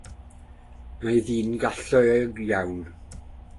Mae'n ddyn galluog iawn.